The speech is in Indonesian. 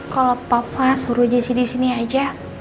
kalo papa suruh jessy disini aja